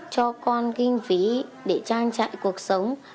cho con kinh phí để trang trại cuộc sống